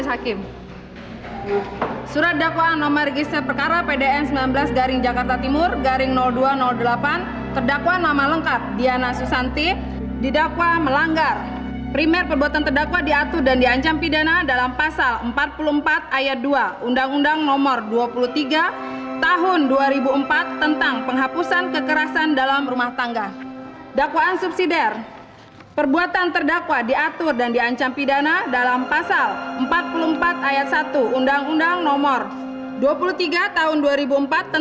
semua teriakan itu bukan ditujukan untuk dave